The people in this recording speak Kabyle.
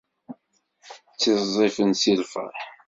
Ttiẓẓifen si lferḥ.